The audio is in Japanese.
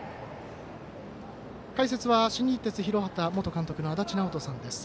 解説は新日鉄広畑元監督の足達尚人さんです。